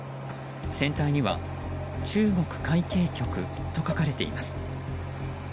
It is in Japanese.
船体には中国海警局と書かれています。